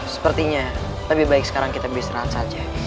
sepertinya lebih baik sekarang kita berserah saja